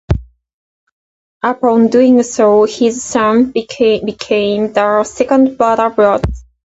Upon doing so, his son became the second Brother Blood.